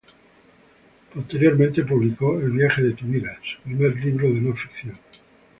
Posteriormente publicó "El viaje de tu vida", su primer libro de no ficción.